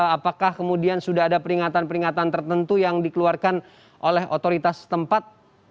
apakah kemudian sudah ada peringatan peringatan tertentu yang dikeluarkan oleh otoritas tempat